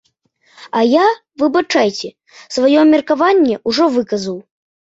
А я, выбачайце, сваё меркаванне ўжо выказаў.